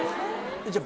じゃあ。